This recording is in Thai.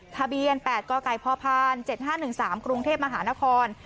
ทะเบียนแปดกล้าไกลพ่อพันธ์เจ็ดห้าหนึ่งสามกรุงเทพมหานคร